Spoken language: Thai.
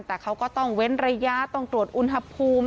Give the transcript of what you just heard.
แต่เขาก็ต้องเว้นระยะต้องตรวจอุณหภูมิ